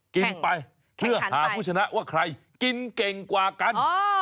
กินไปเพื่อหาผู้ชนะว่าใครกินเก่งกว่ากัน